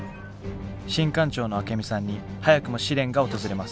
新艦長のアケミさんに早くも試練が訪れます。